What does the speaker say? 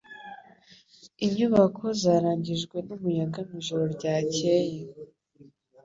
Inyubako zarangijwe n’umuyaga mwijoro ryakeye